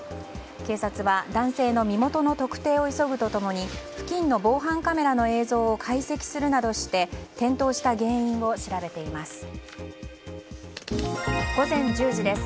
警察は男性の身元の特定を急ぐと共に付近の防犯カメラの映像を解析するなどして転倒した原因を調べています。